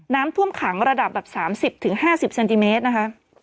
น้ำท่วมขังระดับแบบ๓๐๕๐เซนติเมตรนะคะ